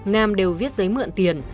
nam đều viết giấy mượn tiền